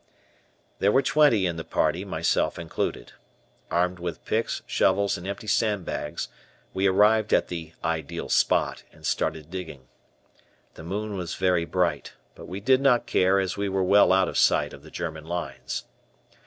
There were twenty in the party, myself included. Armed with picks, shovels, and empty sandbags we arrived at the "ideal spot" and started digging. The moon was very bright, but we did not care as we were well out of sight of the German lines.